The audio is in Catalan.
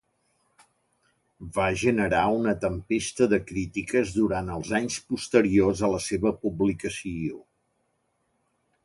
Va "generar una tempesta de crítiques durant els anys posteriors a la seva publicació".